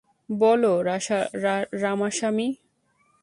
বল, Ramaswami.